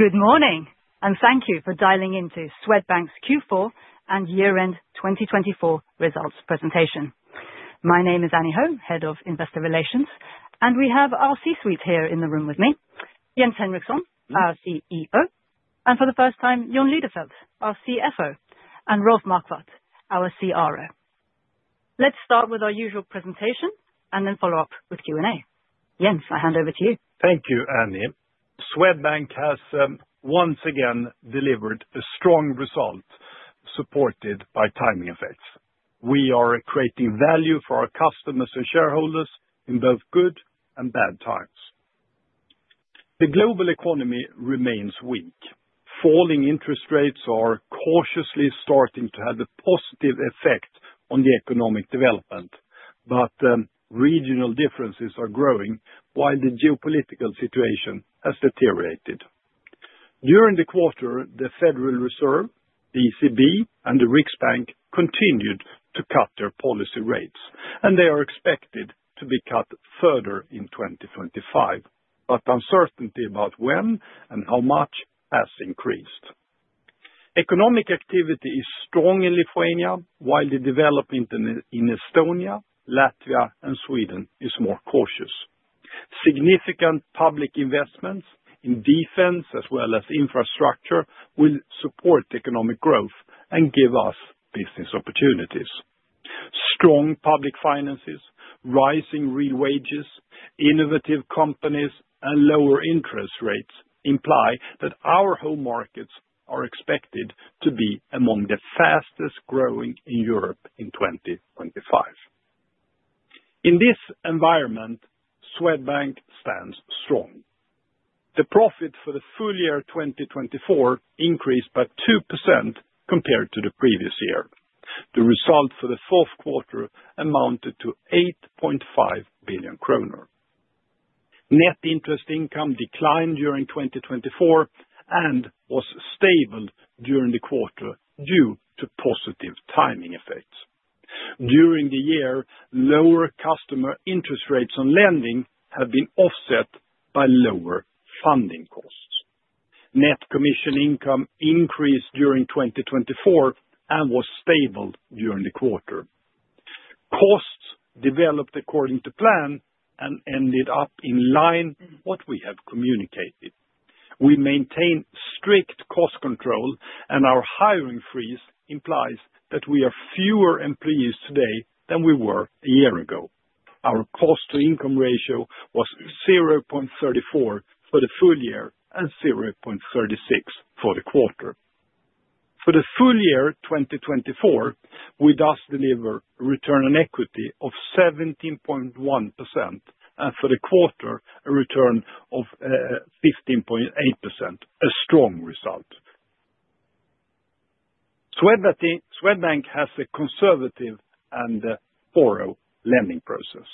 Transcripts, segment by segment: Good morning, and thank you for dialing into Swedbank's Q4 and year-end 2024 results presentation. My name is Annie Ho, Head of Investor Relations, and we have our C-suite here in the room with me: Jens Henriksson, our CEO, and for the first time, Jon Lidefelt, our CFO, and Rolf Marquardt, our CRO. Let's start with our usual presentation and then follow up with Q&A. Jens, I hand over to you. Thank you, Annie. Swedbank has once again delivered a strong result, supported by timing effects. We are creating value for our customers and shareholders in both good and bad times. The global economy remains weak. Falling interest rates are cautiously starting to have a positive effect on the economic development, but regional differences are growing, while the geopolitical situation has deteriorated. During the quarter, the Federal Reserve, the ECB, and the Riksbank continued to cut their policy rates, and they are expected to be cut further in 2025, but uncertainty about when and how much has increased. Economic activity is strong in Lithuania, while the development in Estonia, Latvia, and Sweden is more cautious. Significant public investments in defense as well as infrastructure will support economic growth and give us business opportunities. Strong public finances, rising real wages, innovative companies, and lower interest rates imply that our home markets are expected to be among the fastest-growing in Europe in 2025. In this environment, Swedbank stands strong. The profit for the full year 2024 increased by 2% compared to the previous year. The result for the fourth quarter amounted to 8.5 billion kronor. Net interest income declined during 2024 and was stable during the quarter due to positive timing effects. During the year, lower customer interest rates on lending have been offset by lower funding costs. Net commission income increased during 2024 and was stable during the quarter. Costs developed according to plan and ended up in line with what we have communicated. We maintain strict cost control, and our hiring freeze implies that we have fewer employees today than we were a year ago. Our cost-to-income ratio was 0.34 for the full year and 0.36 for the quarter. For the full year 2024, we thus deliver a return on equity of 17.1%, and for the quarter, a return of 15.8%, a strong result. Swedbank has a conservative and thorough lending process.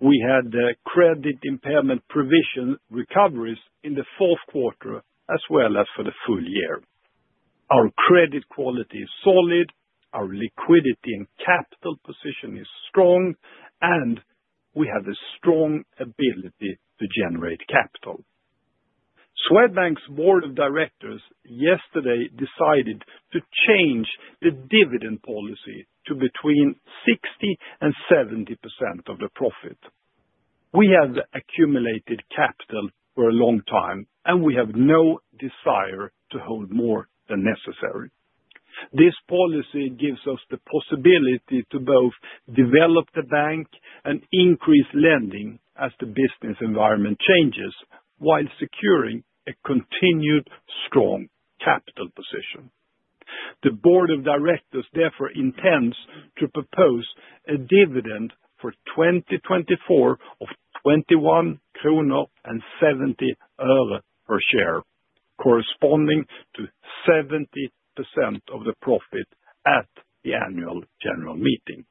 We had credit impairment provision recoveries in the fourth quarter as well as for the full year. Our credit quality is solid, our liquidity and capital position is strong, and we have a strong ability to generate capital. Swedbank's board of directors yesterday decided to change the dividend policy to between 60% and 70% of the profit. We have accumulated capital for a long time, and we have no desire to hold more than necessary. This policy gives us the possibility to both develop the bank and increase lending as the business environment changes, while securing a continued strong capital position. The board of directors, therefore, intends to propose a dividend for 2024 of SEK 21.70 per share, corresponding to 70% of the profit at the annual general meeting.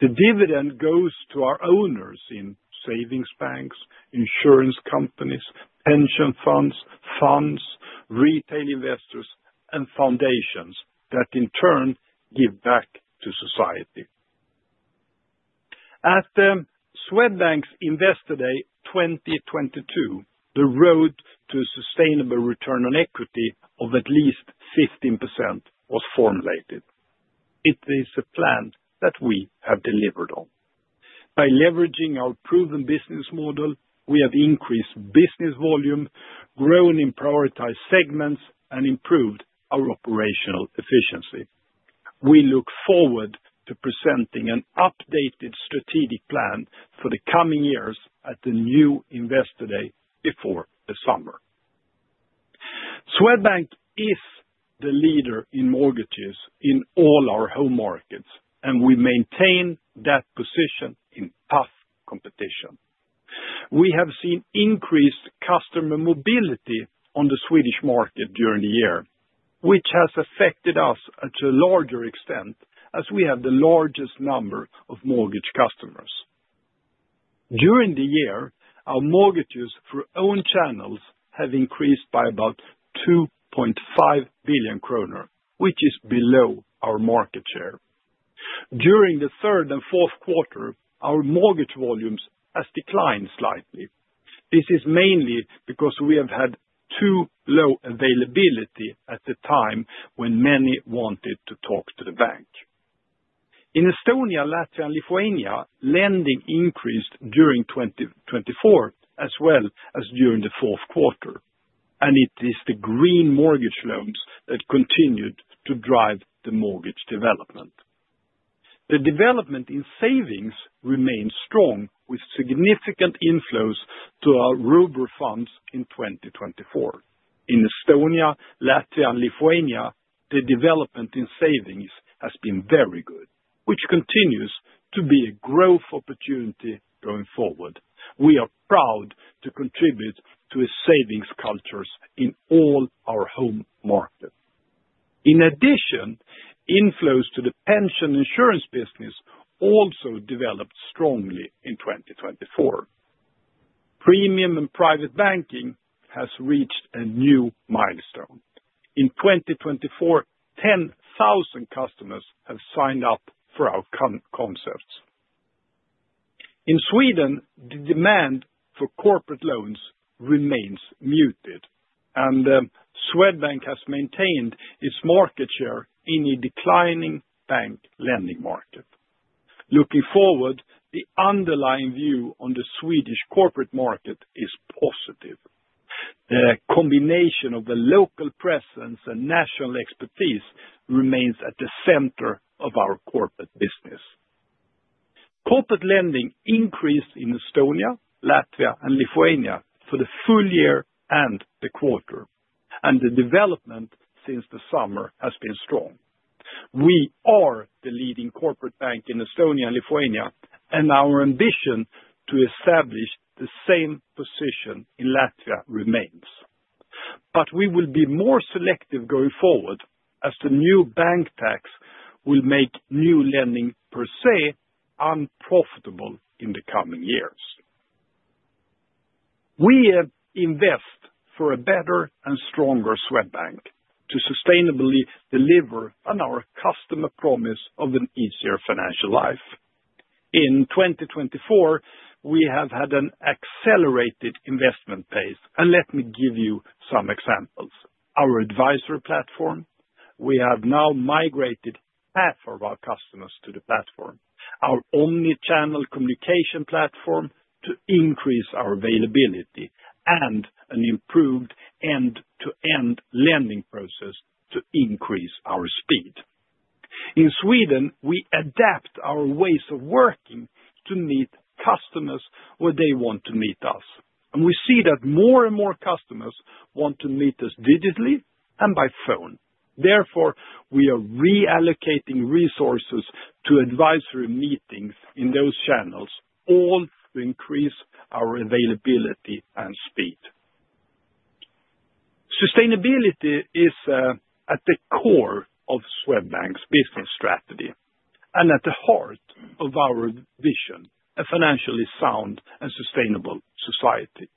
The dividend goes to our owners in savings banks, insurance companies, pension funds, funds, retail investors, and foundations that in turn give back to society. At Swedbank's Investor Day 2022, the road to a sustainable return on equity of at least 15% was formulated. It is a plan that we have delivered on. By leveraging our proven business model, we have increased business volume, grown in prioritized segments, and improved our operational efficiency. We look forward to presenting an updated strategic plan for the coming years at the new Investor Day before the summer. Swedbank is the leader in mortgages in all our home markets, and we maintain that position in tough competition. We have seen increased customer mobility on the Swedish market during the year, which has affected us to a larger extent as we have the largest number of mortgage customers. During the year, our mortgages through own channels have increased by about 2.5 billion kronor, which is below our market share. During the third and fourth quarter, our mortgage volumes have declined slightly. This is mainly because we have had too low availability at the time when many wanted to talk to the bank. In Estonia, Latvia, and Lithuania, lending increased during 2024 as well as during the fourth quarter, and it is the Green mortgage loans that continued to drive the mortgage development. The development in savings remains strong, with significant inflows to our Robur funds in 2024. In Estonia, Latvia, and Lithuania, the development in savings has been very good, which continues to be a growth opportunity going forward. We are proud to contribute to savings cultures in all our home markets. In addition, inflows to the pension insurance business also developed strongly in 2024. Premium and Private Banking has reached a new milestone. In 2024, 10,000 customers have signed up for our concepts. In Sweden, the demand for corporate loans remains muted, and Swedbank has maintained its market share in a declining bank lending market. Looking forward, the underlying view on the Swedish corporate market is positive. The combination of the local presence and national expertise remains at the center of our corporate business. Corporate lending increased in Estonia, Latvia, and Lithuania for the full year and the quarter, and the development since the summer has been strong. We are the leading corporate bank in Estonia and Lithuania, and our ambition to establish the same position in Latvia remains. But we will be more selective going forward as the new bank tax will make new lending per se unprofitable in the coming years. We invest for a better and stronger Swedbank to sustainably deliver on our customer promise of an easier financial life. In 2024, we have had an accelerated investment pace, and let me give you some examples. Our advisory platform, we have now migrated half of our customers to the platform, our omnichannel communication platform to increase our availability, and an improved end-to-end lending process to increase our speed. In Sweden, we adapt our ways of working to meet customers where they want to meet us, and we see that more and more customers want to meet us digitally and by phone. Therefore, we are reallocating resources to advisory meetings in those channels, all to increase our availability and speed. Sustainability is at the core of Swedbank's business strategy and at the heart of our vision: a financially sound and sustainable society.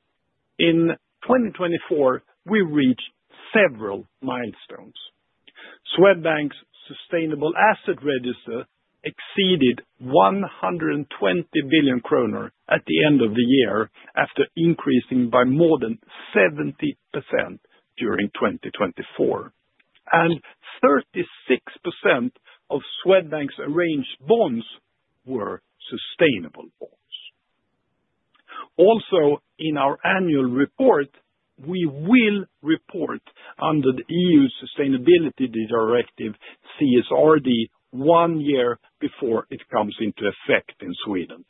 In 2024, we reached several milestones. Swedbank's sustainable asset register exceeded 120 billion kronor at the end of the year after increasing by more than 70% during 2024, and 36% of Swedbank's arranged bonds were sustainable bonds. Also, in our annual report, we will report under the EU Sustainability Directive (CSRD) one year before it comes into effect in Sweden.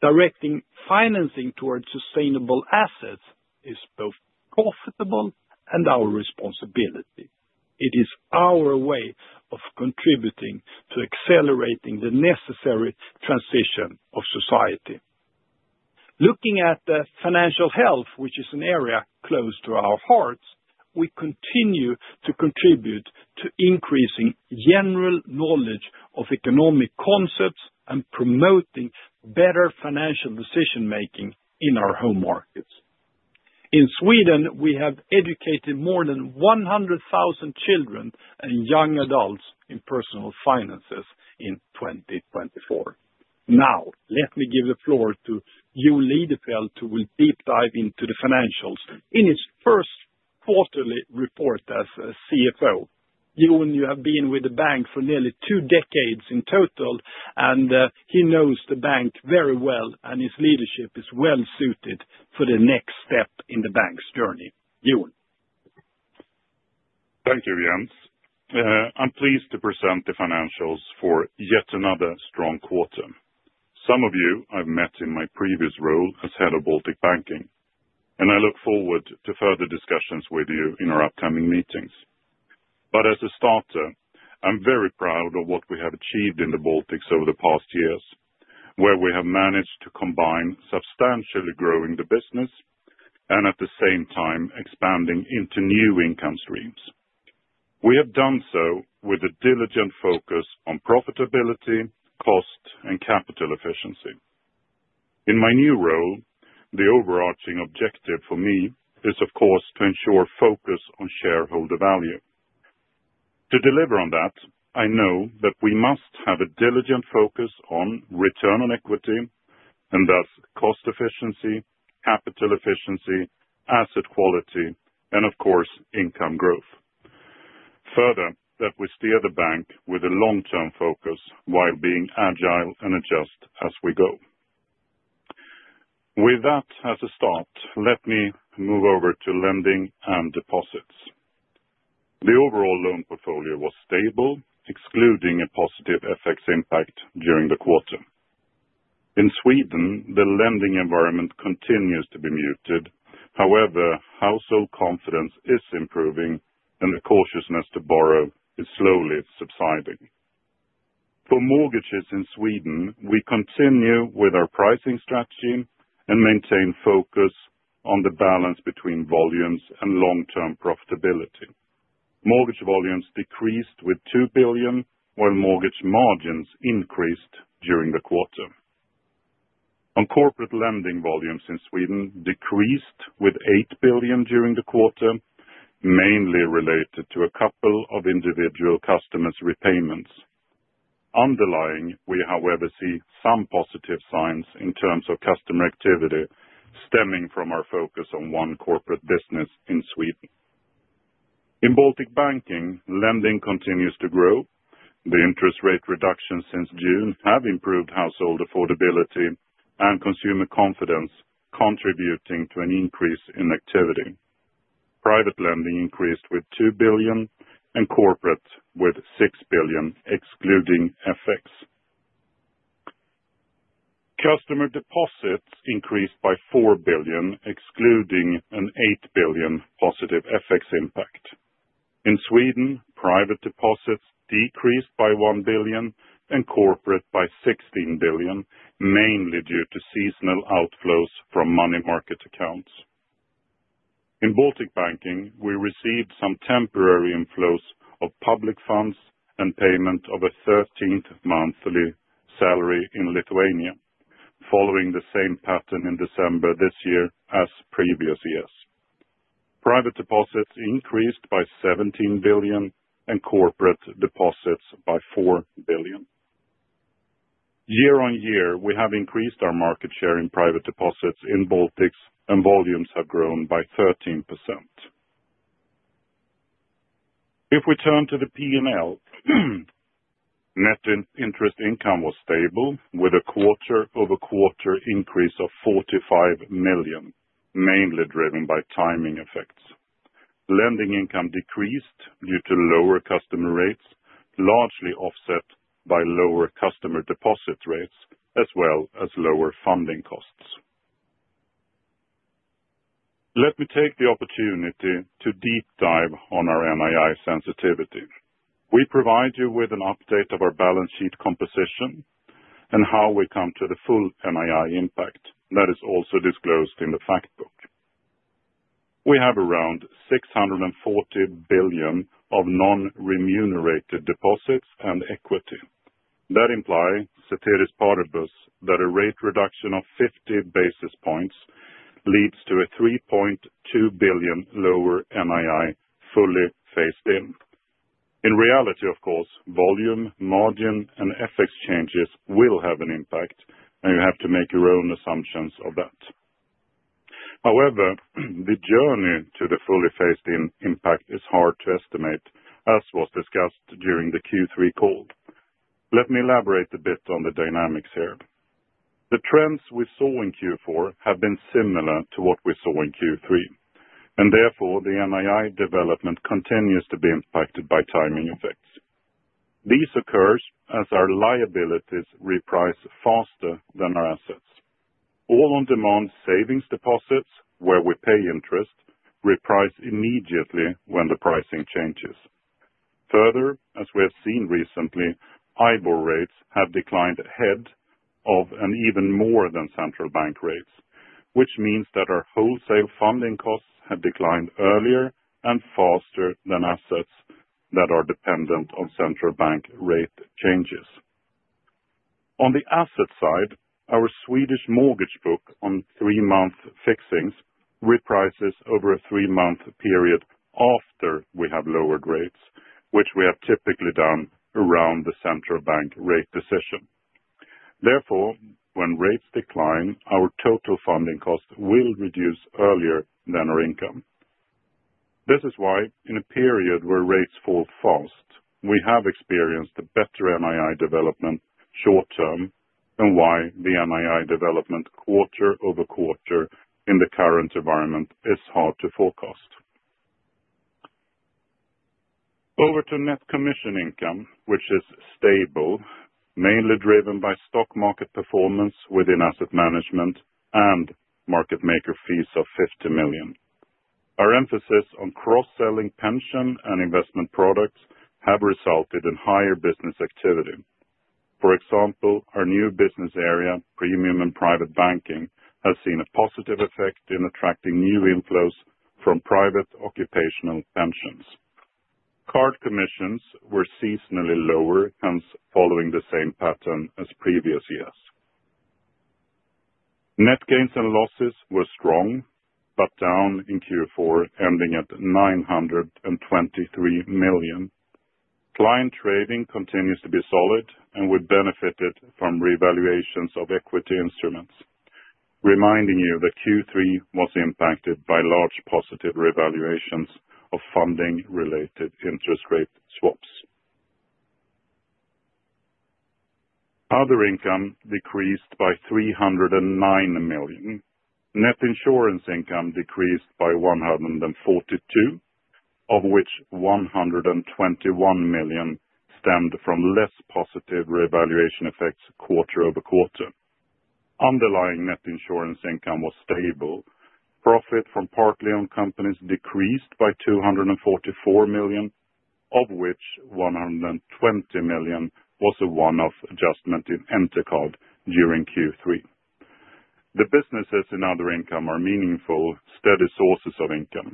Directing financing towards sustainable assets is both profitable and our responsibility. It is our way of contributing to accelerating the necessary transition of society. Looking at financial health, which is an area close to our hearts, we continue to contribute to increasing general knowledge of economic concepts and promoting better financial decision-making in our home markets. In Sweden, we have educated more than 100,000 children and young adults in personal finances in 2024. Now, let me give the floor to Jon Lidefelt, who will deep dive into the financials in his first quarterly report as CFO. Jon, you have been with the bank for nearly two decades in total, and he knows the bank very well, and his leadership is well suited for the next step in the bank's journey. Jon? Thank you, Jens. I'm pleased to present the financials for yet another strong quarter. Some of you I've met in my previous role as Head of Baltic Banking, and I look forward to further discussions with you in our upcoming meetings. But as a starter, I'm very proud of what we have achieved in the Baltics over the past years, where we have managed to combine substantially growing the business and at the same time expanding into new income streams. We have done so with a diligent focus on profitability, cost, and capital efficiency. In my new role, the overarching objective for me is, of course, to ensure focus on shareholder value. To deliver on that, I know that we must have a diligent focus on return on equity and thus cost efficiency, capital efficiency, asset quality, and of course, income growth. Further, that we steer the bank with a long-term focus while being agile and adjust as we go. With that as a start, let me move over to lending and deposits. The overall loan portfolio was stable, excluding a positive FX impact during the quarter. In Sweden, the lending environment continues to be muted. However, household confidence is improving, and the cautiousness to borrow is slowly subsiding. For mortgages in Sweden, we continue with our pricing strategy and maintain focus on the balance between volumes and long-term profitability. Mortgage volumes decreased with 2 billion, while mortgage margins increased during the quarter. On corporate lending volumes in Sweden, decreased with 8 billion during the quarter, mainly related to a couple of individual customers' repayments. Underlying, we however see some positive signs in terms of customer activity stemming from our focus on one corporate business in Sweden. In Baltic Banking, lending continues to grow. The interest rate reductions since June have improved household affordability and consumer confidence, contributing to an increase in activity. Private lending increased with 2 billion and corporate with 6 billion, excluding FX. Customer deposits increased by 4 billion, excluding an 8 billion positive FX impact. In Sweden, private deposits decreased by 1 billion and corporate by 16 billion, mainly due to seasonal outflows from money market accounts. In Baltic Banking, we received some temporary inflows of public funds and payment of a 13th monthly salary in Lithuania, following the same pattern in December this year as previous years. Private deposits increased by 17 billion and corporate deposits by 4 billion. Year on year, we have increased our market share in private deposits in Baltics, and volumes have grown by 13%. If we turn to the P&L, net interest income was stable with a quarter-over-quarter increase of 45 million, mainly driven by timing effects. Lending income decreased due to lower customer rates, largely offset by lower customer deposit rates, as well as lower funding costs. Let me take the opportunity to deep dive on our NII sensitivity. We provide you with an update of our balance sheet composition and how we come to the full NII impact that is also disclosed in the fact book. We have around 640 billion of non-remunerated deposits and equity. That implies, ceteris paribus, that a rate reduction of 50 basis points leads to a 3.2 billion lower NII fully phased in. In reality, of course, volume, margin, and FX changes will have an impact, and you have to make your own assumptions of that. However, the journey to the fully phased in impact is hard to estimate, as was discussed during the Q3 call. Let me elaborate a bit on the dynamics here. The trends we saw in Q4 have been similar to what we saw in Q3, and therefore the NII development continues to be impacted by timing effects. This occurs as our liabilities reprice faster than our assets. On-demand savings deposits, where we pay interest, reprice immediately when the pricing changes. Further, as we have seen recently, IBOR rates have declined ahead of and even more than central bank rates, which means that our wholesale funding costs have declined earlier and faster than assets that are dependent on central bank rate changes. On the asset side, our Swedish mortgage book on three-month fixings reprices over a three-month period after we have lowered rates, which we have typically done around the central bank rate decision. Therefore, when rates decline, our total funding cost will reduce earlier than our income. This is why, in a period where rates fall fast, we have experienced a better NII development short-term than why the NII development quarter-over-quarter in the current environment is hard to forecast. Over to net commission income, which is stable, mainly driven by stock market performance within asset management and market maker fees of 50 million. Our emphasis on cross-selling pension and investment products has resulted in higher business activity. For example, our new business area, Premium and Private Banking, has seen a positive effect in attracting new inflows from private occupational pensions. Card commissions were seasonally lower, hence following the same pattern as previous years. Net gains and losses were strong but down in Q4, ending at 923 million. Client trading continues to be solid, and we benefited from revaluations of equity instruments. Reminding you that Q3 was impacted by large positive revaluations of funding-related interest rate swaps. Other income decreased by 309 million. Net insurance income decreased by 142, of which 121 million stemmed from less positive revaluation effects quarter-over-quarter. Underlying net insurance income was stable. Profit from partly owned companies decreased by 244 million, of which 120 million was a one-off adjustment in Entercard during Q3. The businesses in other income are meaningful, steady sources of income.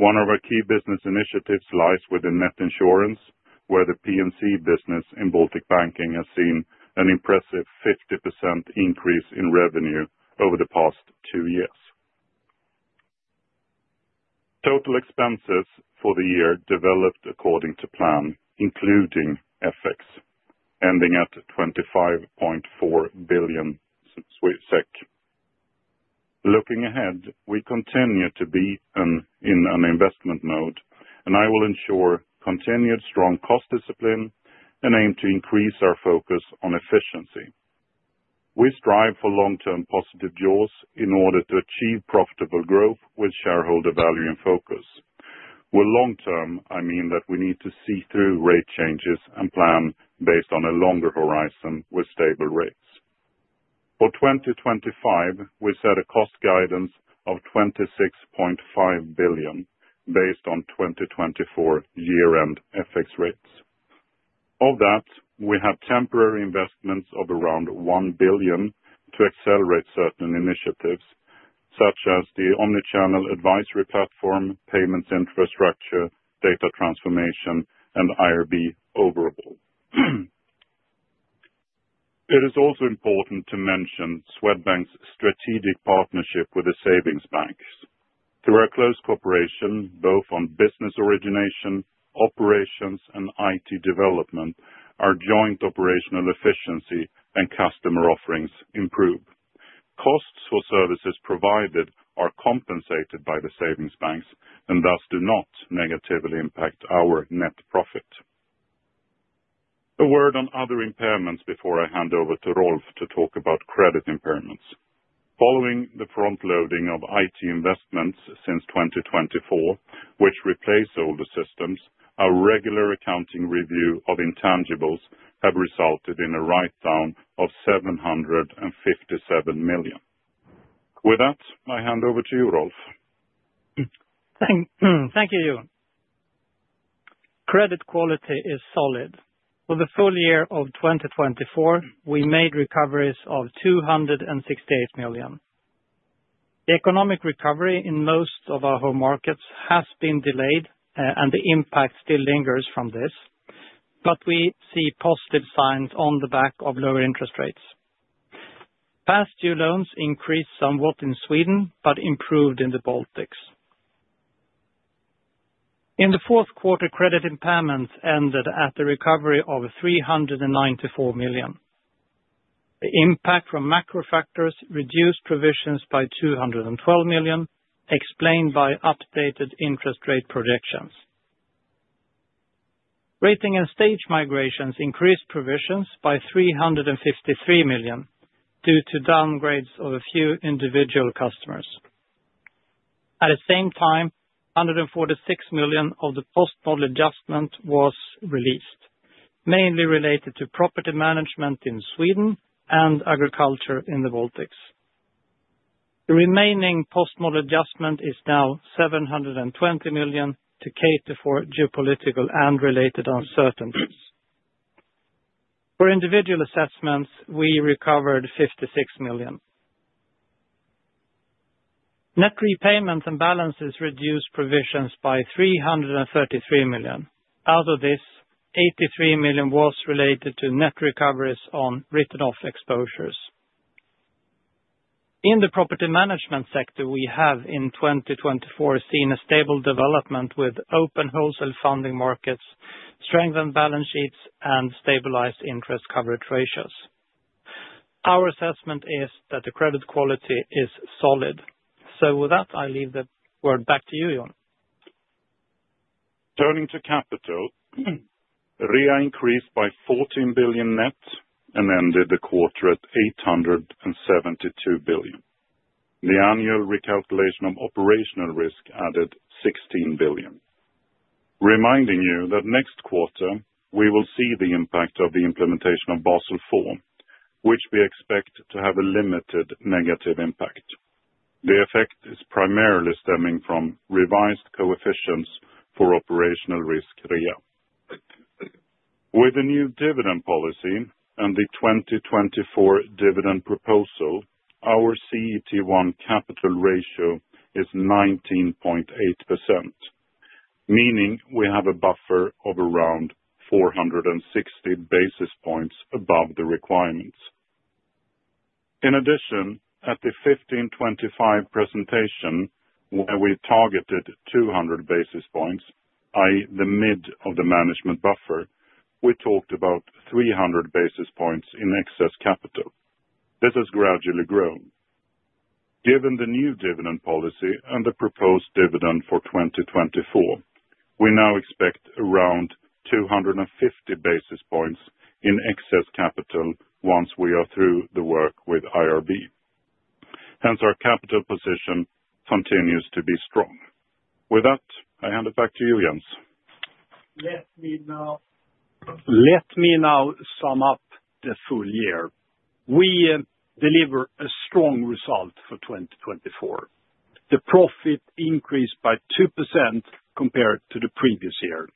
One of our key business initiatives lies within net insurance, where the P&C business in Baltic Banking has seen an impressive 50% increase in revenue over the past two years. Total expenses for the year developed according to plan, including FX, ending at 25.4 billion SEK. Looking ahead, we continue to be in an investment mode, and I will ensure continued strong cost discipline and aim to increase our focus on efficiency. We strive for long-term positive jaws in order to achieve profitable growth with shareholder value in focus. With long-term, I mean that we need to see through rate changes and plan based on a longer horizon with stable rates. For 2025, we set a cost guidance of 26.5 billion based on 2024 year-end FX rates. Of that, we have temporary investments of around 1 billion to accelerate certain initiatives such as the omnichannel advisory platform, payments infrastructure, data transformation, and IRB overhaul. It is also important to mention Swedbank's strategic partnership with the savings banks. Through our close cooperation, both on business origination, operations, and IT development, our joint operational efficiency and customer offerings improve. Costs for services provided are compensated by the savings banks and thus do not negatively impact our net profit. A word on other impairments before I hand over to Rolf to talk about credit impairments. Following the front-loading of IT investments since 2024, which replaced older systems, our regular accounting review of intangibles has resulted in a write-down of 757 million. With that, I hand over to you, Rolf. Thank you, Jon. Credit quality is solid. For the full year of 2024, we made recoveries of 268 million. The economic recovery in most of our home markets has been delayed, and the impact still lingers from this, but we see positive signs on the back of lower interest rates. Past due loans increased somewhat in Sweden but improved in the Baltics. In the fourth quarter, credit impairments ended at a recovery of 394 million. The impact from macro factors reduced provisions by 212 million, explained by updated interest rate projections. Rating and stage migrations increased provisions by 353 million due to downgrades of a few individual customers. At the same time, 146 million of the post-model adjustment was released, mainly related to property management in Sweden and agriculture in the Baltics. The remaining post-model adjustment is now 720 million to cater for geopolitical and related uncertainties. For individual assessments, we recovered 56 million. Net repayments and balances reduced provisions by 333 million. Out of this, 83 million was related to net recoveries on written-off exposures. In the property management sector, we have in 2024 seen a stable development with open wholesale funding markets, strengthened balance sheets, and stabilized interest coverage ratios. Our assessment is that the credit quality is solid. So with that, I leave the word back to you, Jon. Turning to capital, REA increased by 14 billion net and ended the quarter at 872 billion. The annual recalculation of operational risk added 16 billion. Reminding you that next quarter, we will see the impact of the implementation of Basel IV, which we expect to have a limited negative impact. The effect is primarily stemming from revised coefficients for operational risk REA. With the new dividend policy and the 2024 dividend proposal, our CET1 capital ratio is 19.8%, meaning we have a buffer of around 460 basis points above the requirements. In addition, at the 1525 presentation, where we targeted 200 basis points, i.e., the mid of the management buffer, we talked about 300 basis points in excess capital. This has gradually grown. Given the new dividend policy and the proposed dividend for 2024, we now expect around 250 basis points in excess capital once we are through the work with IRB. Hence, our capital position continues to be strong. With that, I hand it back to you, Jens. Let me now sum up the full year. We delivered a strong result for 2024. The profit increased by 2% compared to the previous year.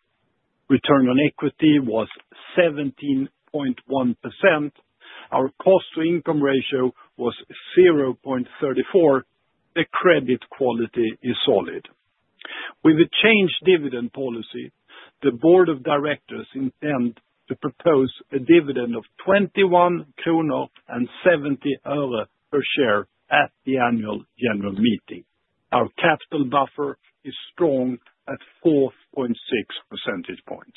Return on equity was 17.1%. Our cost-to-income ratio was 0.34. The credit quality is solid. With the changed dividend policy, the board of directors intends to propose a dividend of SEK 21.70 per share at the annual general meeting. Our capital buffer is strong at 4.6 percentage points.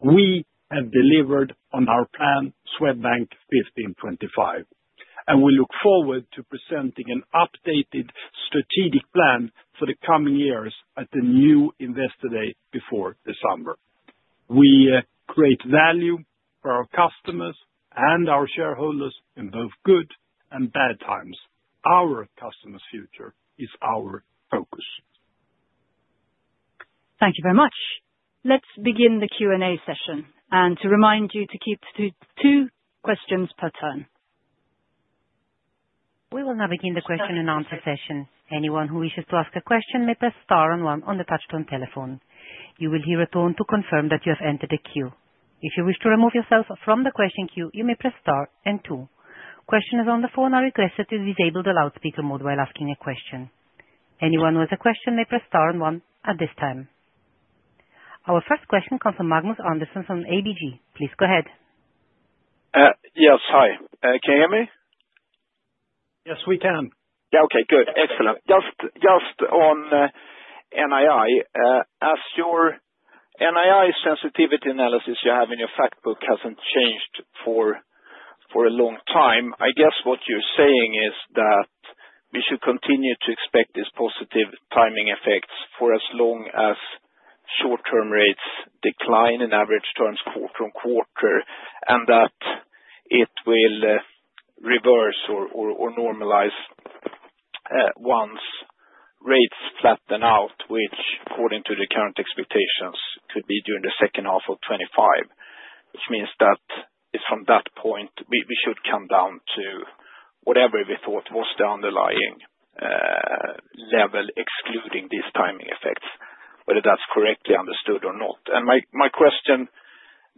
We have delivered on our plan, Swedbank 1525, and we look forward to presenting an updated strategic plan for the coming years at the new investor day before December. We create value for our customers and our shareholders in both good and bad times. Our customer's future is our focus. Thank you very much. Let's begin the Q&A session and to remind you to keep to two questions per turn. We will now begin the question and answer session. Anyone who wishes to ask a question may press star and one on the touch-tone telephone. You will hear a tone to confirm that you have entered a queue. If you wish to remove yourself from the question queue, you may press star and two. Questioners on the phone are requested to disable the loudspeaker mode while asking a question. Anyone who has a question may press star and one at this time. Our first question comes from Magnus Andersson from ABG. Please go ahead. Yes, hi. Can you hear me? Yes, we can. Yeah, okay, good. Excellent. Just on NII, as your NII sensitivity analysis you have in your fact book hasn't changed for a long time, I guess what you're saying is that we should continue to expect these positive timing effects for as long as short-term rates decline in average terms quarter on quarter and that it will reverse or normalize once rates flatten out, which, according to the current expectations, could be during the second half of 2025, which means that from that point, we should come down to whatever we thought was the underlying level excluding these timing effects, whether that's correctly understood or not. My question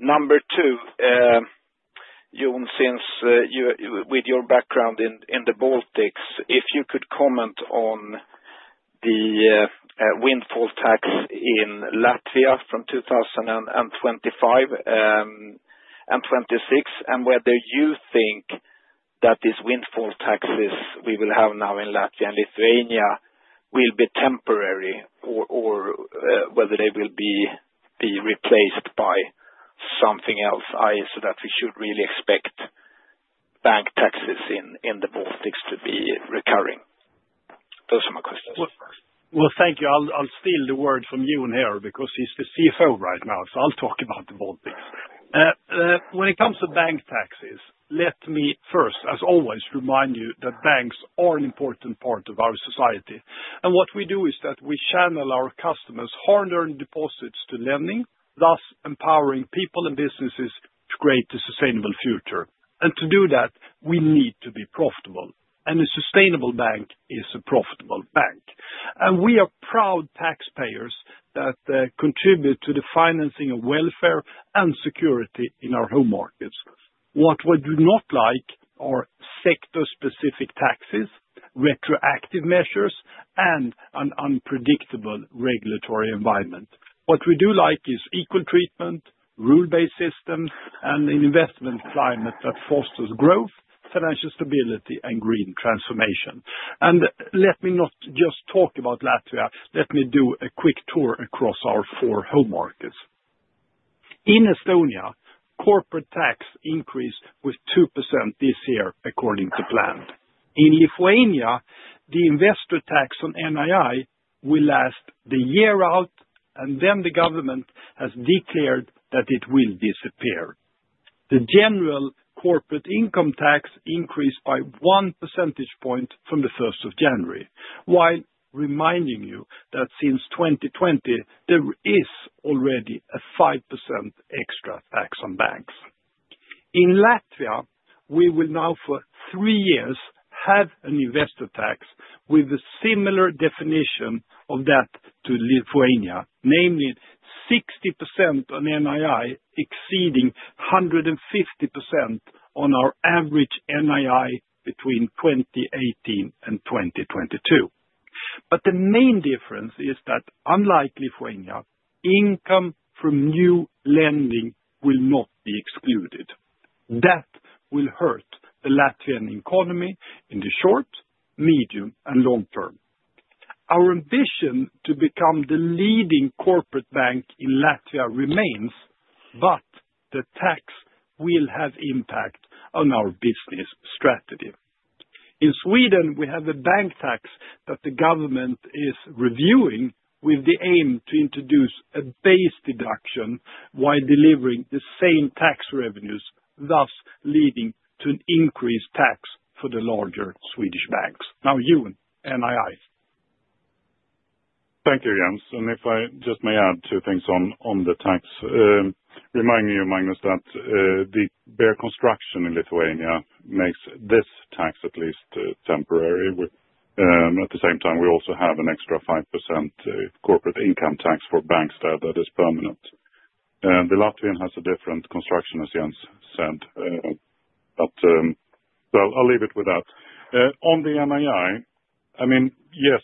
number two, Jon, since with your background in the Baltics, if you could comment on the windfall tax in Latvia from 2025 and 2026 and whether you think that these windfall taxes we will have now in Latvia and Lithuania will be temporary or whether they will be replaced by something else, i.e., so that we should really expect bank taxes in the Baltics to be recurring. Those are my questions. Well, thank you. I'll steal the word from Jon here because he's the CFO right now, so I'll talk about the Baltics. When it comes to bank taxes, let me first, as always, remind you that banks are an important part of our society. And what we do is that we channel our customers' hard-earned deposits to lending, thus empowering people and businesses to create a sustainable future. And to do that, we need to be profitable. And a sustainable bank is a profitable bank. And we are proud taxpayers that contribute to the financing of welfare and security in our home markets. What we do not like are sector-specific taxes, retroactive measures, and an unpredictable regulatory environment. What we do like is equal treatment, rule-based systems, and an investment climate that fosters growth, financial stability, and green transformation. And let me not just talk about Latvia. Let me do a quick tour across our four home markets. In Estonia, corporate tax increased with 2% this year, according to plan. In Lithuania, the investor tax on NII will last the year out, and then the government has declared that it will disappear. The general corporate income tax increased by 1 percentage point from the 1st of January, while reminding you that since 2020, there is already a 5% extra tax on banks. In Latvia, we will now for three years have an investor tax with a similar definition of that to Lithuania, namely 60% on NII exceeding 150% on our average NII between 2018 and 2022. But the main difference is that, unlike Lithuania, income from new lending will not be excluded. That will hurt the Latvian economy in the short, medium, and long term. Our ambition to become the leading corporate bank in Latvia remains, but the tax will have impact on our business strategy. In Sweden, we have a bank tax that the government is reviewing with the aim to introduce a base deduction while delivering the same tax revenues, thus leading to an increased tax for the larger Swedish banks. Now, Jon, NII. Thank you, Jens. And if I just may add two things on the tax, reminding you, Magnus, that the bare construction in Lithuania makes this tax at least temporary. At the same time, we also have an extra 5% corporate income tax for banks there that is permanent. The Latvian has a different construction, as Jens said, but I'll leave it with that. On the NII, I mean, yes,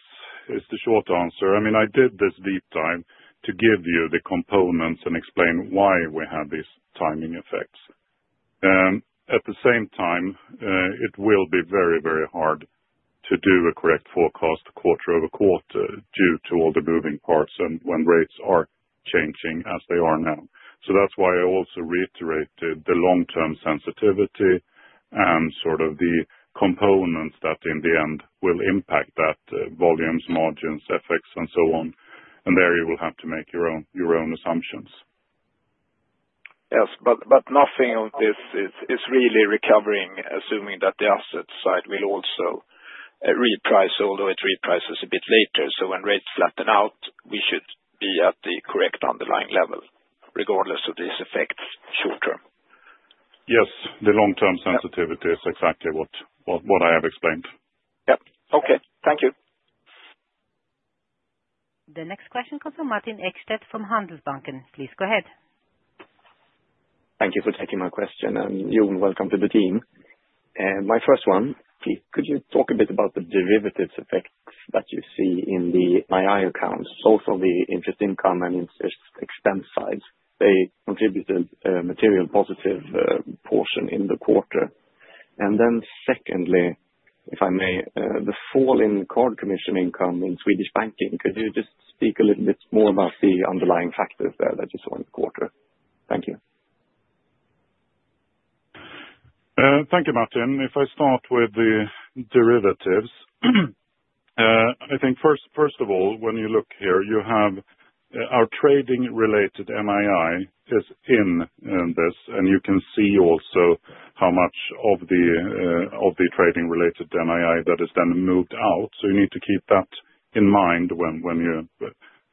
it's the short answer. I mean, I did this deep dive to give you the components and explain why we have these timing effects. At the same time, it will be very, very hard to do a correct forecast quarter-over-quarter due to all the moving parts and when rates are changing as they are now. So that's why I also reiterated the long-term sensitivity and sort of the components that in the end will impact that volumes, margins, effects, and so on. And there you will have to make your own assumptions. Yes, but nothing of this is really recovering, assuming that the asset side will also reprice, although it reprices a bit later. So when rates flatten out, we should be at the correct underlying level, regardless of these effects short term. Yes, the long-term sensitivity is exactly what I have explained. Yep. Okay. Thank you. The next question comes from Martin Ekstedt from Handelsbanken. Please go ahead. Thank you for taking my question, and Jon, welcome to the team. My first one, could you talk a bit about the derivatives effects that you see in the NII accounts, both on the interest income and interest expense sides? They contributed a material positive portion in the quarter. And then secondly, if I may, the fall in card commission income in Swedish banking. Could you just speak a little bit more about the underlying factors there that you saw in the quarter? Thank you. Thank you, Martin. If I start with the derivatives, I think first of all, when you look here, you have our trading-related NII is in this, and you can see also how much of the trading-related NII that has then moved out. So you need to keep that in mind when you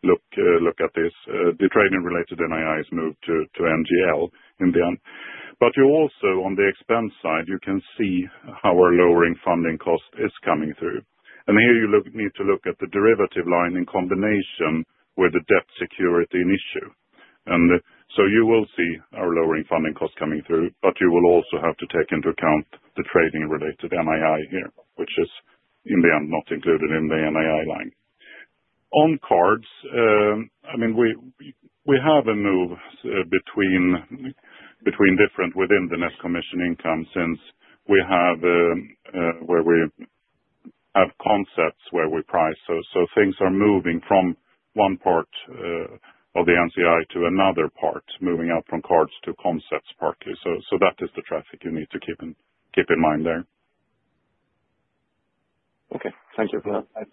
look at this. The trading-related NII has moved to NGL in the end. But you also, on the expense side, you can see how our lowering funding cost is coming through. And here you need to look at the derivative line in combination with the debt security in issue. And so you will see our lowering funding cost coming through, but you will also have to take into account the trading-related NII here, which is in the end not included in the NII line. On cards, I mean, we have a move between different within the net commission income since we have where we have concepts where we price. So things are moving from one part of the NCI to another part, moving out from cards to concepts partly. So that is the traffic you need to keep in mind there. Okay. Thank you for that.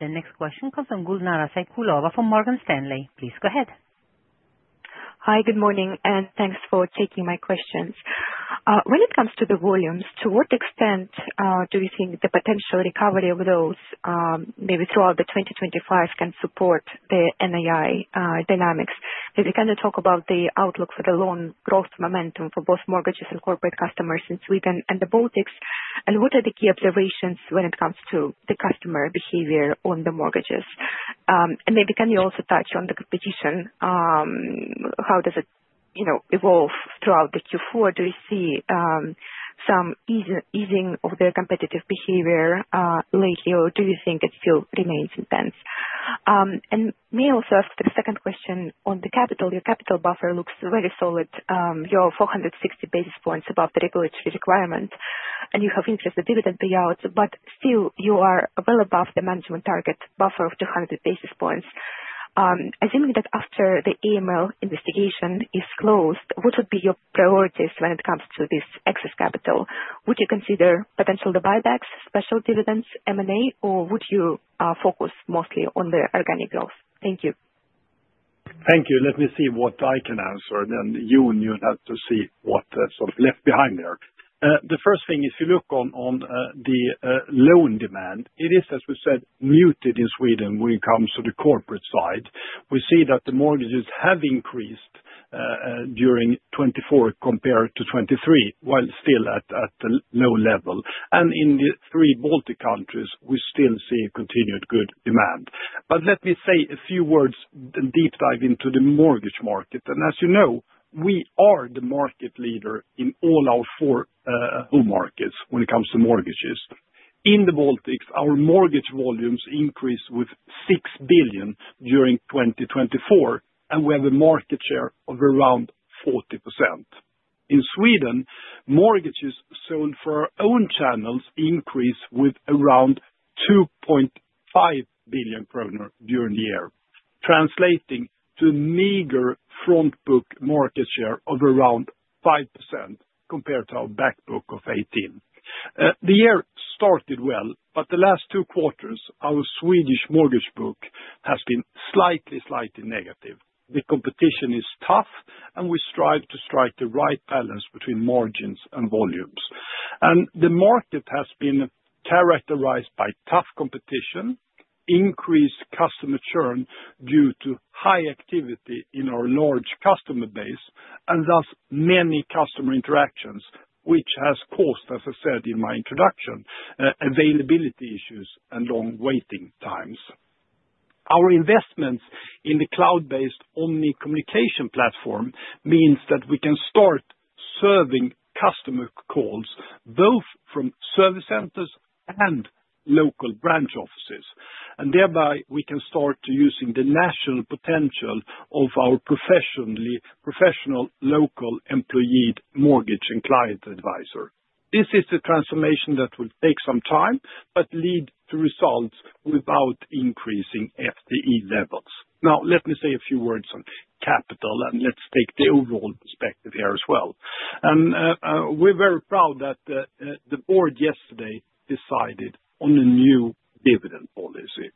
The next question comes from Gulnara Shikuliyeva from Morgan Stanley. Please go ahead. Hi, good morning, and thanks for taking my questions. When it comes to the volumes, to what extent do you think the potential recovery of those, maybe throughout the 2025, can support the NII dynamics? Maybe can you talk about the outlook for the loan growth momentum for both mortgages and corporate customers in Sweden and the Baltics? And what are the key observations when it comes to the customer behavior on the mortgages? And maybe can you also touch on the competition? How does it evolve throughout the Q4? Do you see some easing of their competitive behavior lately, or do you think it still remains intense? And may I also ask the second question on the capital? Your capital buffer looks very solid. You're 460 basis points above the regulatory requirement, and you have increased the dividend payouts, but still you are well above the management target buffer of 200 basis points. Assuming that after the AML investigation is closed, what would be your priorities when it comes to this excess capital? Would you consider potential buybacks, special dividends, M&A, or would you focus mostly on the organic growth? Thank you. Thank you. Let me see what I can answer, and then Jon, you'll have to see what sort of left behind there. The first thing is you look on the loan demand. It is, as we said, muted in Sweden when it comes to the corporate side. We see that the mortgages have increased during 2024 compared to 2023, while still at a low level. In the three Baltic countries, we still see continued good demand. Let me say a few words, a deep dive into the mortgage market. As you know, we are the market leader in all our four home markets when it comes to mortgages. In the Baltics, our mortgage volumes increased with 6 billion during 2024, and we have a market share of around 40%. In Sweden, mortgages sold for our own channels increased with around 2.5 billion kronor during the year, translating to a meager front-book market share of around 5% compared to our back-book of 18%. The year started well, but the last two quarters, our Swedish mortgage book has been slightly, slightly negative. The competition is tough, and we strive to strike the right balance between margins and volumes, and the market has been characterized by tough competition, increased customer churn due to high activity in our large customer base, and thus many customer interactions, which has caused, as I said in my introduction, availability issues and long waiting times. Our investments in the cloud-based omnichannel communication platform means that we can start serving customer calls both from service centers and local branch offices, and thereby, we can start using the national potential of our professionally professional local employed mortgage and client advisor. This is a transformation that will take some time but lead to results without increasing FTE levels. Now, let me say a few words on capital, and let's take the overall perspective here as well. And we're very proud that the board yesterday decided on a new dividend policy.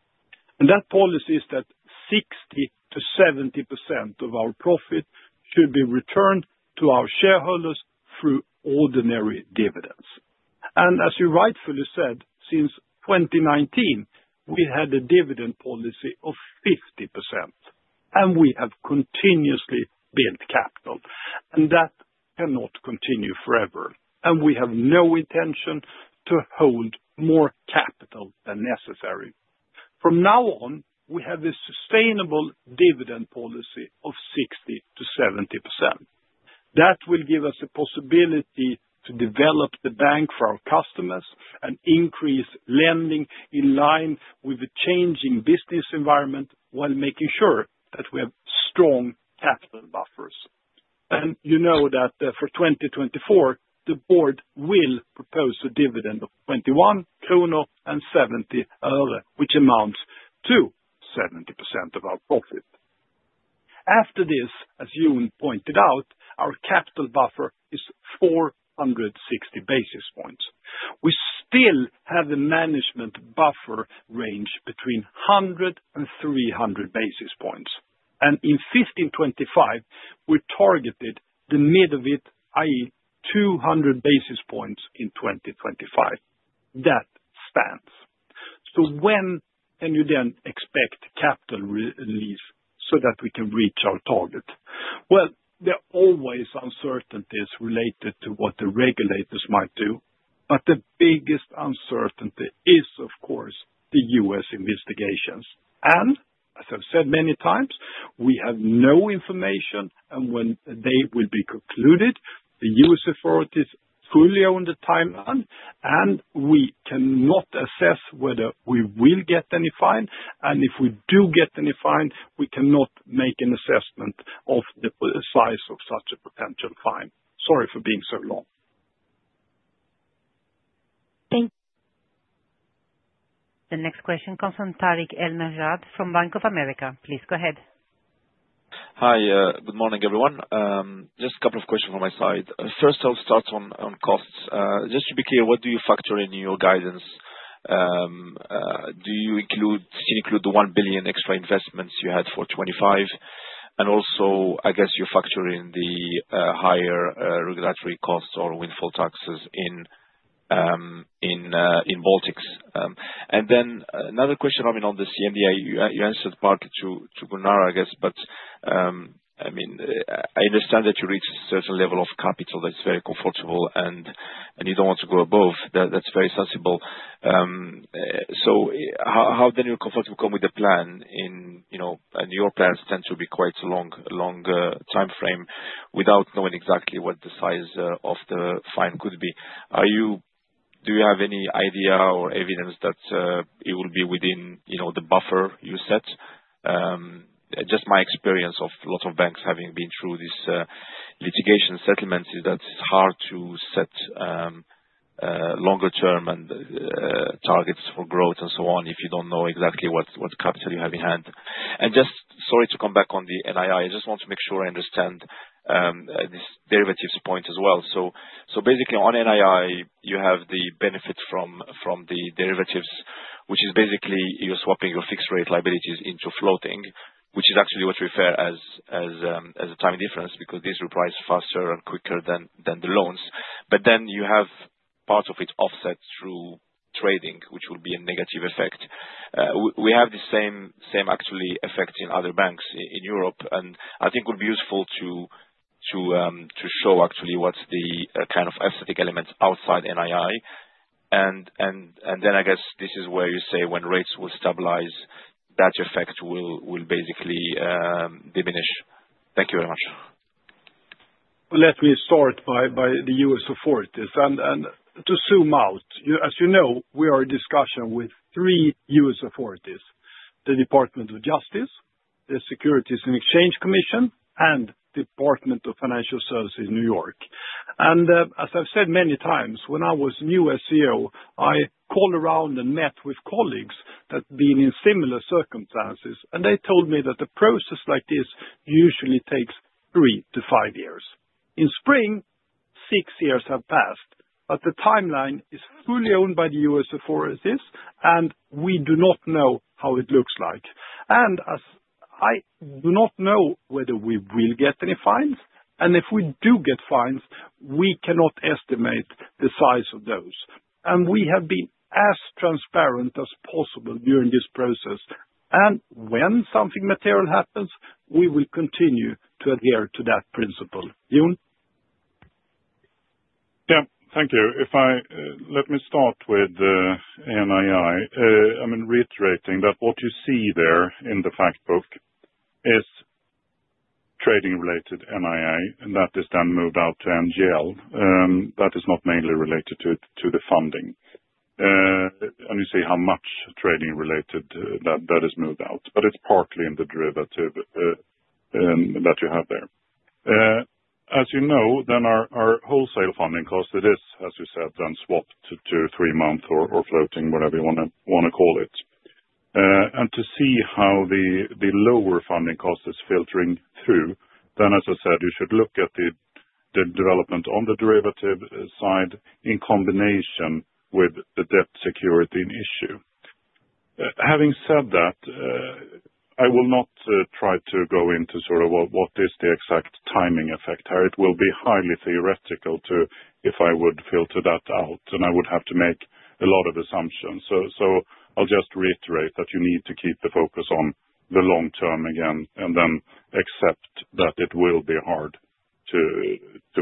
And that policy is that 60%-70% of our profit should be returned to our shareholders through ordinary dividends. And as you rightfully said, since 2019, we had a dividend policy of 50%, and we have continuously built capital. And that cannot continue forever. And we have no intention to hold more capital than necessary. From now on, we have a sustainable dividend policy of 60%-70%. That will give us the possibility to develop the bank for our customers and increase lending in line with the changing business environment while making sure that we have strong capital buffers. You know that for 2024, the board will propose a dividend of 21 kronor and 70 euro, which amounts to 70% of our profit. After this, as Jon pointed out, our capital buffer is 460 basis points. We still have a management buffer range between 100 and 300 basis points. And in 1525, we targeted the mid of it, i.e., 200 basis points in 2025. That stands. So when can you then expect capital release so that we can reach our target? Well, there are always uncertainties related to what the regulators might do, but the biggest uncertainty is, of course, the U.S. investigations. And as I've said many times, we have no information, and when they will be concluded, the U.S. authorities fully own the timeline, and we cannot assess whether we will get any fine. And if we do get any fine, we cannot make an assessment of the size of such a potential fine. Sorry for being so long. Thank you. The next question comes from Tarik El Mejjad from Bank of America. Please go ahead. Hi, good morning, everyone. Just a couple of questions from my side. First, I'll start on costs. Just to be clear, what do you factor in your guidance? Do you include the 1 billion extra investments you had for 2025? And also, I guess you're factoring the higher regulatory costs or windfall taxes in Baltics. And then another question, I mean, on the CMBI, you answered partly to Gulnara, I guess, but I mean, I understand that you reach a certain level of capital that's very comfortable, and you don't want to go above. That's very sensible. So how then are you comfortable coming with the plan? And your plans tend to be quite a long timeframe without knowing exactly what the size of the fine could be. Do you have any idea or evidence that it will be within the buffer you set? Just my experience of lots of banks having been through this litigation settlement is that it's hard to set longer-term targets for growth and so on if you don't know exactly what capital you have in hand, and just, sorry, to come back on the NII. I just want to make sure I understand this derivatives point as well. So basically, on NII, you have the benefit from the derivatives, which is basically you're swapping your fixed-rate liabilities into floating, which is actually what we refer to as a time difference because these reprice faster and quicker than the loans. But then you have part of it offset through trading, which will be a negative effect. We have the same, actually, effect in other banks in Europe, and I think it would be useful to show, actually, what's the kind of exotic elements outside NII. And then I guess this is where you say when rates will stabilize, that effect will basically diminish. Thank you very much. Let me start with the U.S. authorities. To zoom out, as you know, we are in discussion with three U.S. authorities: the Department of Justice, the Securities and Exchange Commission, and the Department of Financial Services in New York. As I've said many times, when I was new as CEO, I called around and met with colleagues that had been in similar circumstances, and they told me that a process like this usually takes three to five years. In spring, six years have passed. The timeline is fully owned by the U.S. authorities, and we do not know how it looks like. I do not know whether we will get any fines. If we do get fines, we cannot estimate the size of those. We have been as transparent as possible during this process. And when something material happens, we will continue to adhere to that principle. Jon? Yeah, thank you. Let me start with NII. I mean, reiterating that what you see there in the fact book is trading-related NII, and that is then moved out to NGL. That is not mainly related to the funding, and you see how much trading-related that is moved out, but it's partly in the derivative that you have there. As you know, then our wholesale funding cost, it is, as you said, then swapped to three-month or floating, whatever you want to call it, and to see how the lower funding cost is filtering through, then, as I said, you should look at the development on the derivative side in combination with the debt security in issue. Having said that, I will not try to go into sort of what is the exact timing effect here. It will be highly theoretical if I would filter that out, and I would have to make a lot of assumptions. So I'll just reiterate that you need to keep the focus on the long term again and then accept that it will be hard to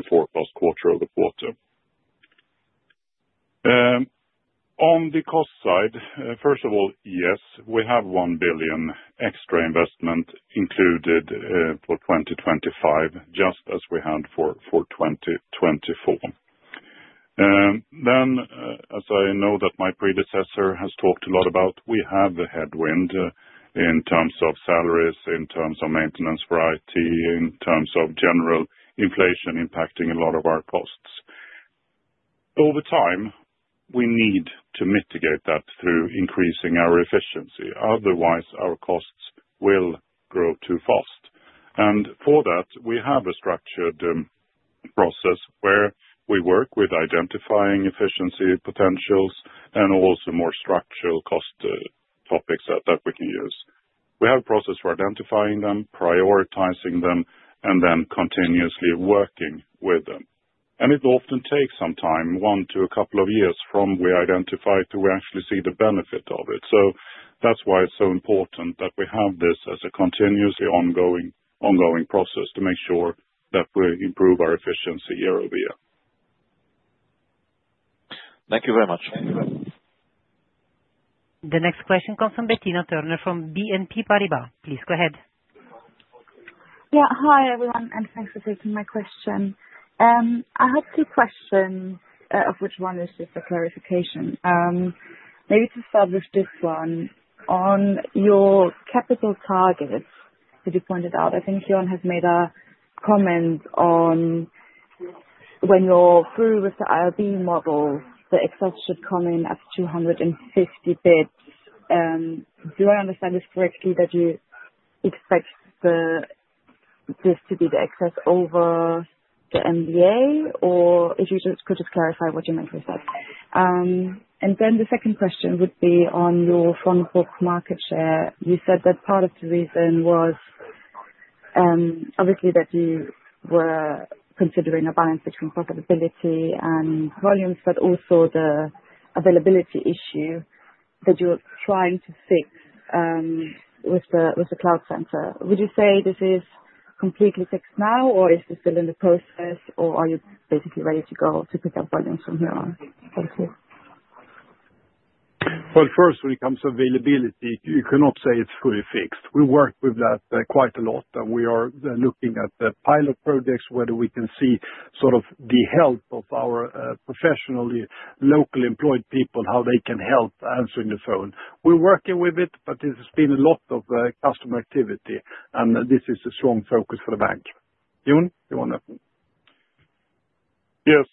forecast quarter-over-quarter. On the cost side, first of all, yes, we have 1 billion extra investment included for 2025, just as we had for 2024. Then, as I know that my predecessor has talked a lot about, we have a headwind in terms of salaries, in terms of maintenance, advisory, in terms of general inflation impacting a lot of our costs. Over time, we need to mitigate that through increasing our efficiency. Otherwise, our costs will grow too fast. And for that, we have a structured process where we work with identifying efficiency potentials and also more structural cost topics that we can use. We have a process for identifying them, prioritizing them, and then continuously working with them. And it often takes some time, one to a couple of years, from we identify to we actually see the benefit of it. So that's why it's so important that we have this as a continuously ongoing process to make sure that we improve our efficiency year-over-year. Thank you very much. The next question comes from Bettina Thurner from BNP Paribas. Please go ahead. Yeah, hi everyone, and thanks for taking my question. I have two questions, of which one is just a clarification. Maybe to start with this one, on your capital targets that you pointed out, I think Jon has made a comment on when you're through with the IRB model, the excess should come in at 250 basis points. Do I understand this correctly that you expect this to be the excess over the MREL, or if you could just clarify what you meant with that? And then the second question would be on your front-book market share. You said that part of the reason was, obviously, that you were considering a balance between profitability and volumes, but also the availability issue that you're trying to fix with the cloud center. Would you say this is completely fixed now, or is this still in the process, or are you basically ready to go to pick up volumes from here on? Thank you. First, when it comes to availability, you cannot say it's fully fixed. We worked with that quite a lot, and we are looking at the pilot projects, whether we can see sort of the help of our professionally local employed people, how they can help answering the phone. We're working with it, but there's been a lot of customer activity, and this is a strong focus for the bank. Jon, you want to? Yes,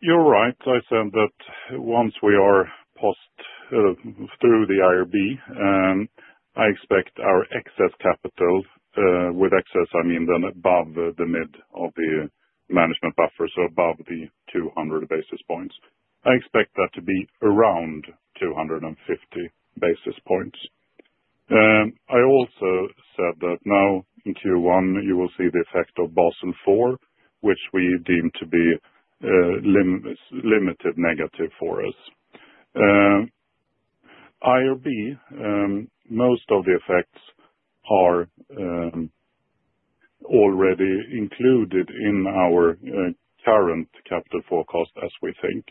you're right. I said that once we are through the IRB, I expect our excess capital, with excess, I mean, then above the midpoint of the management buffer, so above the 200 basis points. I also said that now in Q1, you will see the effect of Basel IV, which we deem to be limited negative for us. IRB, most of the effects are already included in our current capital forecast, as we think.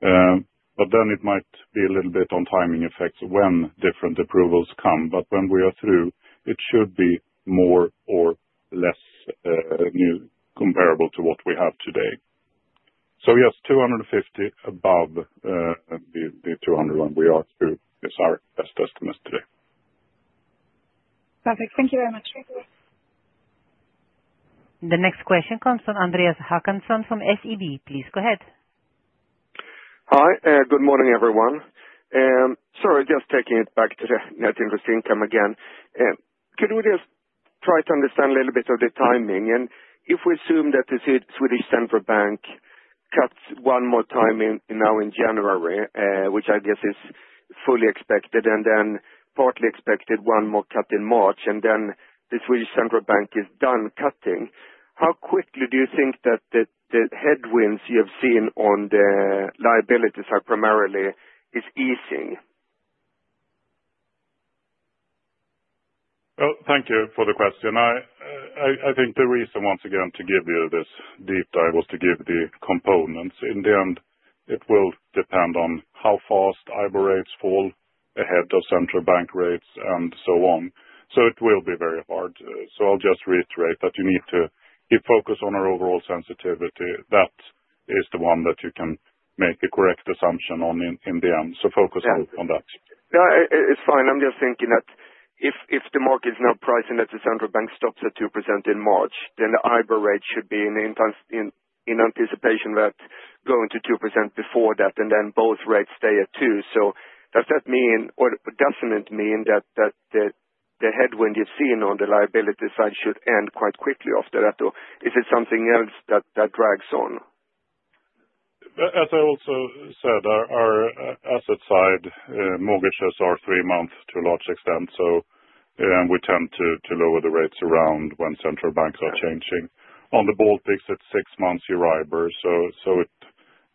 But then it might be a little bit on timing effects when different approvals come. But when we are through, it should be more or less comparable to what we have today. So yes, 250 above the 200 when we are through is our best estimate today. Perfect. Thank you very much. The next question comes from Andreas Håkansson from SEB. Please go ahead. Hi, good morning, everyone. Sorry, just taking it back to net interest income again. Could we just try to understand a little bit of the timing, and if we assume that the Swedish central bank cuts one more time now in January, which I guess is fully expected, and then partly expected one more cut in March, and then the Swedish central bank is done cutting, how quickly do you think that the headwinds you have seen on the liabilities are primarily easing? Thank you for the question. I think the reason, once again, to give you this deep dive was to give the components. In the end, it will depend on how fast IBOR rates fall ahead of central bank rates and so on. So it will be very hard. So I'll just reiterate that you need to keep focus on our overall sensitivity. That is the one that you can make a correct assumption on in the end. So focus on that. Yeah, it's fine. I'm just thinking that if the market is now pricing that the central bank stops at 2% in March, then the IBOR rate should be in anticipation that going to 2% before that, and then both rates stay at 2. So does that mean, or doesn't it mean that the headwind you've seen on the liability side should end quite quickly after that? Or is it something else that drags on? As I also said, our asset side, mortgages are three months to a large extent, so we tend to lower the rates around when central banks are changing. On the Baltics, it's six months Euribor so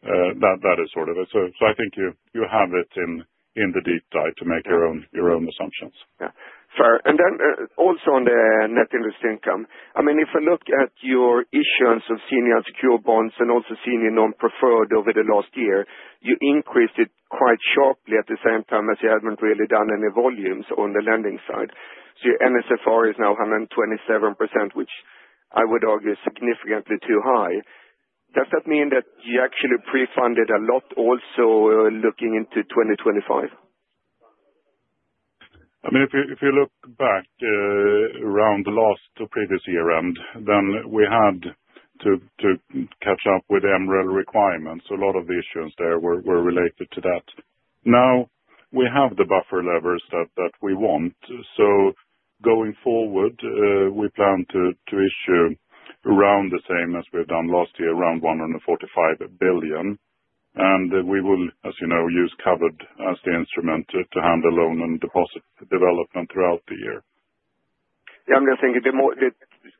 that is sort of it. So I think you have it in the deep dive to make your own assumptions. Yeah, fair. And then also on the net interest income, I mean, if I look at your issuance of senior and secure bonds and also senior non-preferred over the last year, you increased it quite sharply at the same time as you hadn't really done any volumes on the lending side. So your NSFR is now 127%, which I would argue is significantly too high. Does that mean that you actually pre-funded a lot also looking into 2025? I mean, if you look back around the last or previous year-end, then we had to catch up with MREL requirements. A lot of the issuance there were related to that. Now we have the buffer levers that we want. So going forward, we plan to issue around the same as we've done last year, around 145 billion. And we will, as you know, use covered as the instrument to handle loan and deposit development throughout the year. Yeah, I'm just thinking the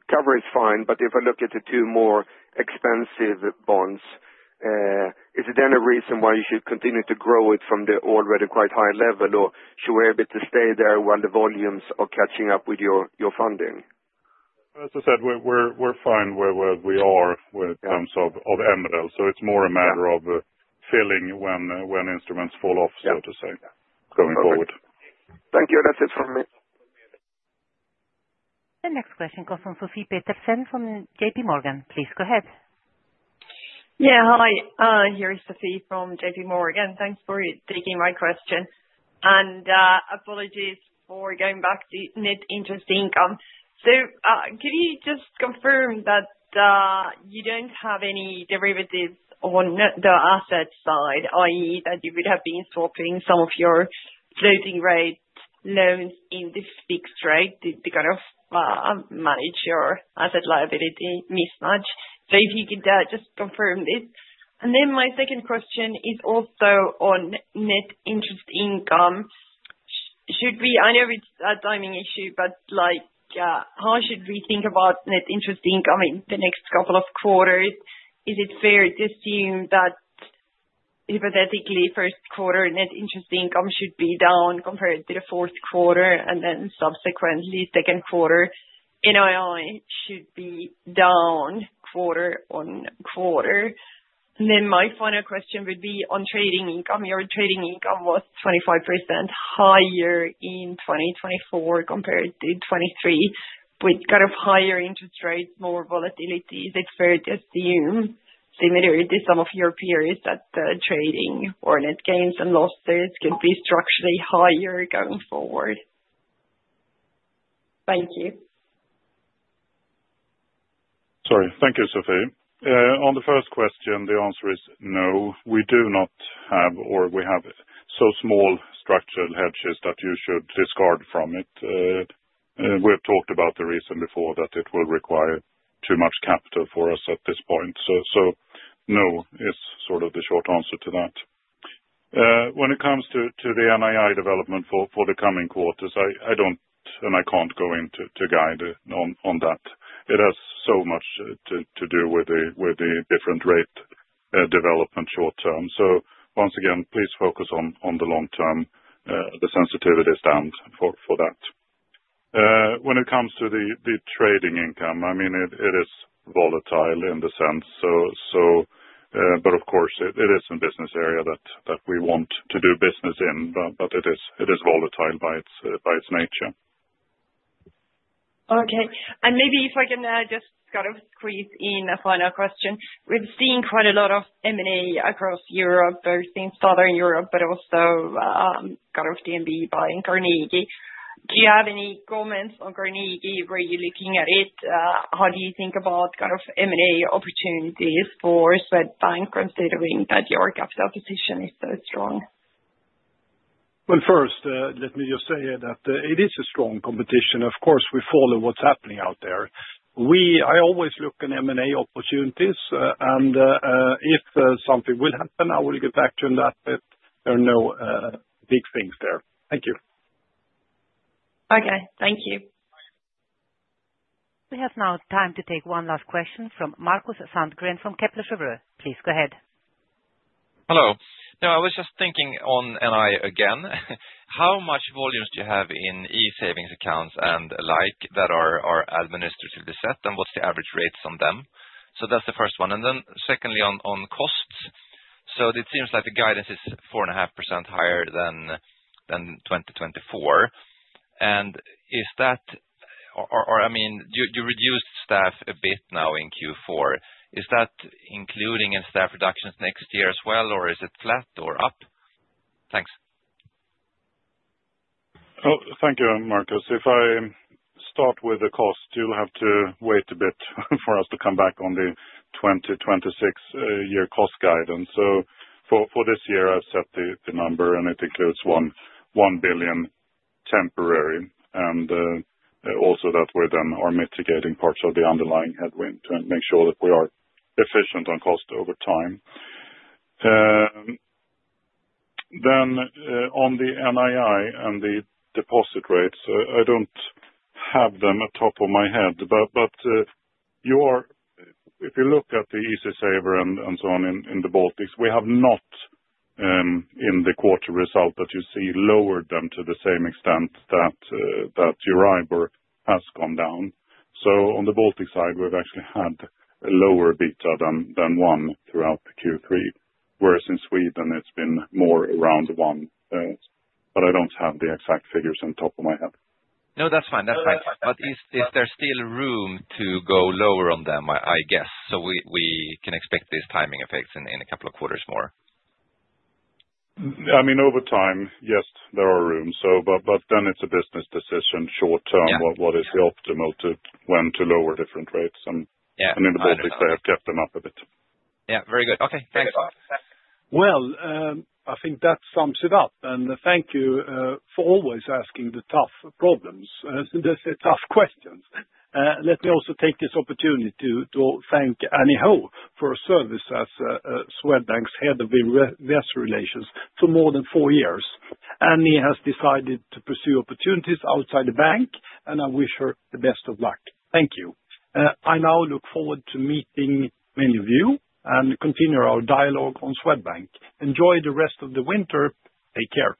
cover is fine, but if I look at the two more expensive bonds, is there then a reason why you should continue to grow it from the already quite high level, or should we be able to stay there while the volumes are catching up with your funding? As I said, we're fine where we are when it comes to MREL. So it's more a matter of filling when instruments fall off, so to say, going forward. Thank you. That's it from me. The next question comes from Sofie Peterzens from JPMorgan. Please go ahead. Yeah, hi. Here is Sofie from JP Morgan. Thanks for taking my question. And apologies for going back to net interest income. So could you just confirm that you don't have any derivatives on the asset side, i.e., that you would have been swapping some of your floating rate loans in this fixed rate to kind of manage your asset liability mismatch? So if you could just confirm this. And then my second question is also on net interest income. I know it's a timing issue, but how should we think about net interest income in the next couple of quarters? Is it fair to assume that hypothetically, first quarter net interest income should be down compared to the fourth quarter, and then subsequently second quarter NII should be down quarter on quarter? And ten my final question would be on trading income. Your trading income was 25% higher in 2024 compared to 2023 with kind of higher interest rates, more volatility. Is it fair to assume, similar to some of your peers, that trading or net gains and losses could be structurally higher going forward? Thank you. Sorry. Thank you, Sophie. On the first question, the answer is no. We do not have, or we have so small structural hedges that you should discard from it. We have talked about the reason before that it will require too much capital for us at this point. So no is sort of the short answer to that. When it comes to the NII development for the coming quarters, I don't and I can't go into guidance on that. It has so much to do with the different rate development short-term. So once again, please focus on the long term, the sensitivity stands for that. When it comes to the trading income, I mean, it is volatile in the sense, but of course, it is a business area that we want to do business in, but it is volatile by its nature. Okay, and maybe if I can just kind of squeeze in a final question. We've seen quite a lot of M&A across Europe, both in southern Europe, but also kind of DNB buying Carnegie. Do you have any comments on Carnegie? Where are you looking at it? How do you think about kind of M&A opportunities for Swedbank, considering that your capital position is so strong? Well, first, let me just say that it is a strong competition. Of course, we follow what's happening out there. I always look at M&A opportunities, and if something will happen, I will get back to you on that, but there are no big things there. Thank you. Okay. Thank you. We have now time to take one last question from Markus Sandgren from Kepler Cheuvreux. Please go ahead. Hello. No, I was just thinking on NII again. How much volumes do you have in Easy Saver accounts and like that are administratively set, and what's the average rates on them? So that's the first one. And then secondly, on costs. So it seems like the guidance is 4.5% higher than 2024. And is that, or I mean, you reduced staff a bit now in Q4. Is that including in staff reductions next year as well, or is it flat or up? Thanks. Oh, thank you, Markus. If I start with the cost, you'll have to wait a bit for us to come back on the 2026 year cost guidance, so for this year, I've set the number, and it includes 1 billion SEK temporary. And also that we then are mitigating parts of the underlying headwind to make sure that we are efficient on cost over time. Then on the NII and the deposit rates, I don't have them at top of my head, but if you look at the Easy Saver and so on in the Baltics, we have not, in the quarter result that you see, lowered them to the same extent that your IBOR has gone down. So on the Baltic side, we've actually had a lower beta than 1 throughout Q3, whereas in Sweden, it's been more around 1. But I don't have the exact figures off the top of my head. No, that's fine. That's fine. But is there still room to go lower on them, I guess, so we can expect these timing effects in a couple of quarters more? I mean, over time, yes, there are rooms, but then it's a business decision short term what is the optimal when to lower different rates, and in the Baltics, they have kept them up a bit. Yeah. Very good. Okay. Thanks. I think that sums it up. And thank you for always asking the tough problems and the tough questions. Let me also take this opportunity to thank Annie Ho for her service as Swedbank's head of investor relations for more than four years. Annie has decided to pursue opportunities outside the bank, and I wish her the best of luck. Thank you. I now look forward to meeting many of you and continue our dialogue on Swedbank. Enjoy the rest of the winter. Take care.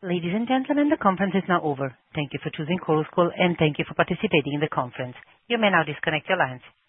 Ladies and gentlemen, the conference is now over. Thank you for choosing Chorus Call, and thank you for participating in the conference. You may now disconnect your lines.